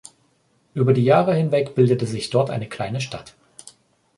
Über die Jahre hinweg bildete sich dort eine kleine Stadt.